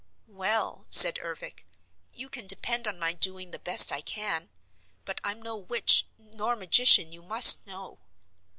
"Well," said Ervic, "you can depend on my doing the best I can. But I'm no witch, nor magician, you must know."